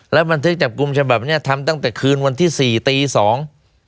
บันทึกจับกลุ่มฉบับเนี้ยทำตั้งแต่คืนวันที่สี่ตีสอง